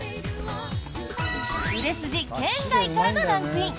売れ筋圏外からのランクイン！